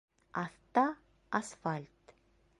Аҫта асфальт...